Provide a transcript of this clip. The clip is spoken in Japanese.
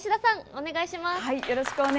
お願いします。